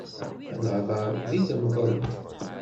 Ad neḥdeṛ deg temḍelt.